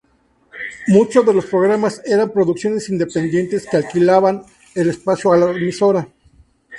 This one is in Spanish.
Muchos de los programas eran producciones independientes que alquilaban el espacio a la emisora.